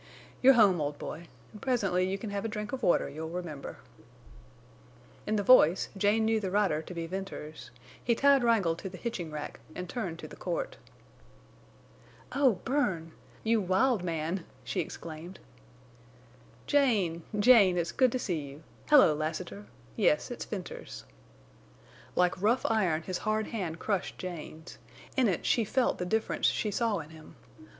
You're home, old boy, and presently you can have a drink of water you'll remember." In the voice Jane knew the rider to be Venters. He tied Wrangle to the hitching rack and turned to the court. "Oh, Bern!... You wild man!" she exclaimed. "Jane—Jane, it's good to see you! Hello, Lassiter! Yes, it's Venters." Like rough iron his hard hand crushed Jane's. In it she felt the difference she saw in him.